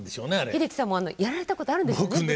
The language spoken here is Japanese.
英樹さんもやられたことあるんですよね。